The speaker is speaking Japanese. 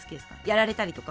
やられたりとか。